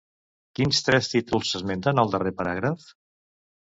Quins tres títols s'esmenten al darrer paràgraf?